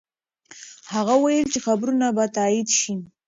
هغه وویل چې خبرونه به تایید شي.